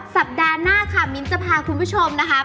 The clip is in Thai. สัปดาห์หน้าค่ะมิ้นจะพาคุณผู้ชมนะคะ